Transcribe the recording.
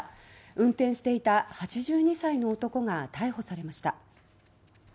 運転していた８２歳の男が逮捕されました。